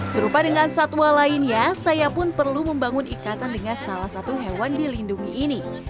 serupa dengan satwa lainnya saya pun perlu membangun ikatan dengan salah satu hewan dilindungi ini